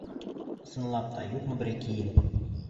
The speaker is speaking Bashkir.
Ысынлап та, юҡмы берәй кейем?